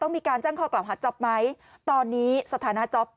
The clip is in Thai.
ต้องมีการแจ้งข้อกล่าวฮาจบไหมตอนนี้สถานะจ๊อบ